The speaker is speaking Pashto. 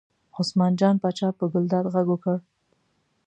عثمان جان پاچا په ګلداد غږ وکړ.